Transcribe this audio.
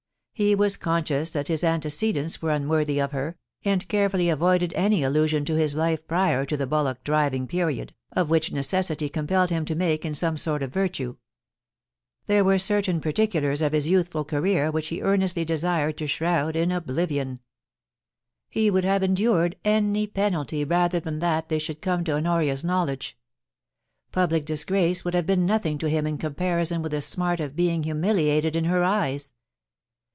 He was conscious that his antecedents were unworthy of her, and carefully avoided any allusion to his life prior to the bullock driving period, of which necessity compelled him to make in some sort a virtue. There were certain particulars of his youthful career which he earnestly desired to shroud in oblivion : he would have endured any penalty rather than that they should come to Honoria*s knowledge. Public disgrace would have been nothing to him in comparison with the smart of being humiliated in her eyes.